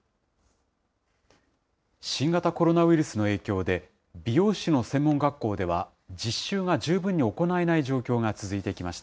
新型コロナウイルスの影響で、美容師の専門学校では、実習が十分に行えない状況が続いてきまし